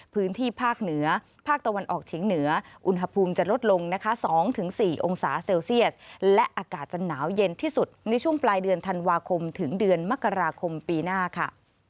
พื้นที่ภาคเหนือภาคตะวันออกเฉียงเหนืออุณหภูมิจะลดลงนะคะ๒๔องศาเซลเซียสและอากาศจะหนาวเย็นที่สุดในช่วงปลายเดือนธันวาคมถึงเดือนมกราคมปีหน้าค่ะ